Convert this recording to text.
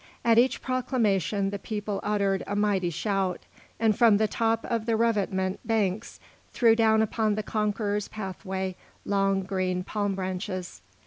At each proclamation the people uttered a mighty shout, and from the top of the revetment banks threw down upon the conqueror's pathway long, green palm branches.